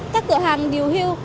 các cửa hàng điều hưu